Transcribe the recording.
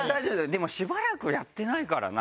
でもしばらくやってないからな。